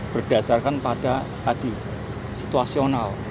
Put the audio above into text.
berdasarkan pada tadi situasional